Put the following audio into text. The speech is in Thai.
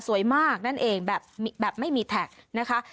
สวยมากนั่นเองแบบไม่มีแท็กนะคะ